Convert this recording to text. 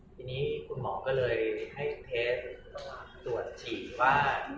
ทีนี้คุณหมอก็เลยให้เคสตรวจฉีดว่า